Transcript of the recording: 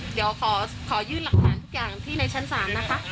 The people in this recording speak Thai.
เดี๋ยวขอยื่นหลักฐานทุกอย่างที่ในชั้นศาลนะคะ